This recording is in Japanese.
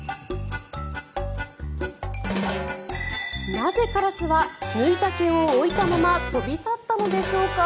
なぜ、カラスは抜いた毛を置いたまま飛び去ったのでしょうか。